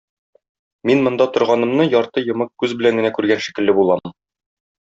Мин монда торганымны ярты йомык күз белән генә күргән шикелле булам.